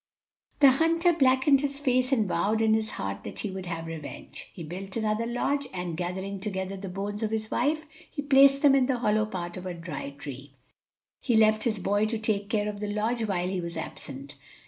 The hunter blackened his face and vowed in his heart that he would have revenge. He built another lodge, and gathering together the bones of his wife, he placed them in the hollow part of a dry tree. He left his boy to take care of the lodge while he was absent.